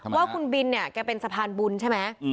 ว่าคุณบินเนี่ยแกเป็นสะพานบุญใช่ไหม